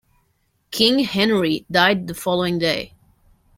King Henry died the following day.